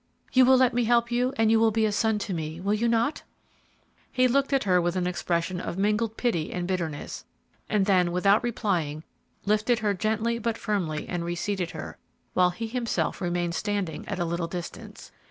"You will let me help you, and you will be a son to me, will you not?" He looked at her with an expression of mingled pity and bitterness, and then, without replying, lifted her gently but firmly and reseated her, while he himself remained standing at a little distance.